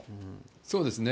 そうですね。